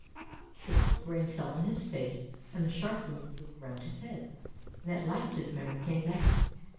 The cold rain fell on his face, and the sharp wind blew around his head, and at last his memory came back.